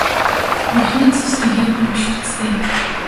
Бурхны цус тэгээд би биш биз дээ.